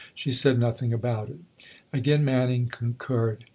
"She said nothing about it." Again Manning concurred.